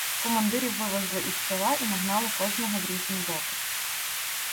Командирів вивезли із села і нагнали кожного в різні боки.